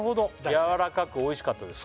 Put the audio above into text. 「やわらかく美味しかったです」